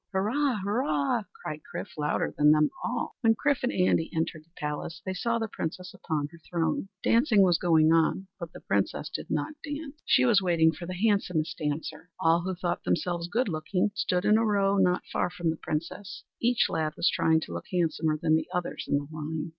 "Hurrah! hurrah!" cried Chrif, louder than them all. When Chrif and Andy entered the palace, they saw the Princess upon her throne. Dancing was going on, but the Princess did not dance. She was waiting for the handsomest dancer. All who thought themselves good looking stood in a row not far from the Princess. Each lad was trying to look handsomer than the others in the line.